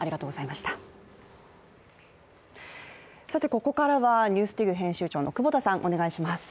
ここからは、「ＮＥＷＳＤＩＧ」編集長の久保田さん、お願いします。